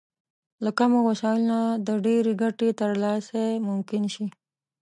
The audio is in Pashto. له کمو وسايلو نه د ډېرې ګټې ترلاسی ممکن شي.